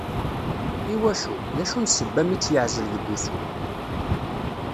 I wacu, d acu n ssebba mi tt-yeɛzel deg wusu.